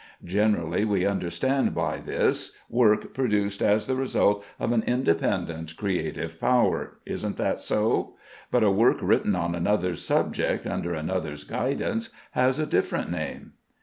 Generally we understand by this, work produced as the result of an independent creative power. Isn't that so? But a work written on another's subject, under another's guidance, has a different name."